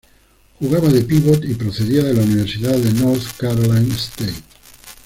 Jugaba de pívot y procedía de la Universidad de North Carolina State.